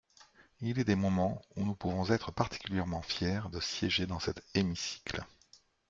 Il est des moments où nous pouvons être particulièrement fiers de siéger dans cet hémicycle.